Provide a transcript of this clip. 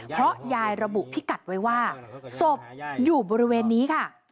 เพราะยายระบุพิกัดไว้ว่าศพอยู่บริเวณนี้ค่ะ